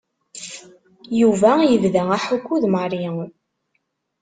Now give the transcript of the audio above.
Yuba yebda aḥukku d Mary.